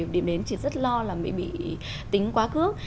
điểm đến chỉ rất lo là bị tính quá cước